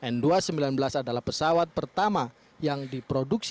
n dua ratus sembilan belas adalah pesawat pertama yang diproduksi